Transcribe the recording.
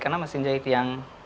karena mesin jahit yang